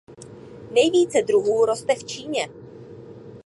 Nejvíce druhů roste v Číně.